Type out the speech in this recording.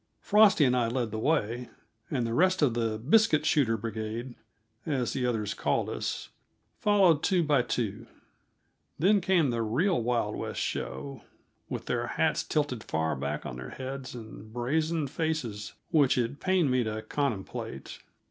Frosty and I led the way, and the rest of the "biscuit shooter brigade," as the others called us, followed two by two. Then came the real Wild West show, with their hats tilted far back on their heads and brazen faces which it pained me to contemplate.